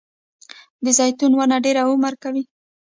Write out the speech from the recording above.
د زیتون ونه ډیر عمر کوي